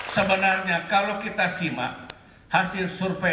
sebenarnya kalau kita simak hasil survei